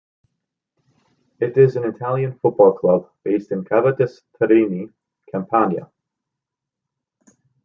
It is an Italian football club, based in Cava de' Tirreni, Campania.